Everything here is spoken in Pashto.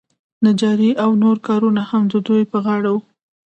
نجاري او نور کارونه هم د دوی په غاړه وو.